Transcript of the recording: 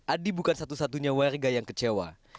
adi bukan satu satunya warga yang kecewa